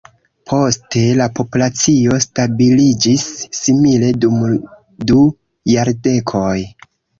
Poste la populacio stabiliĝis simile dum du jardekoj.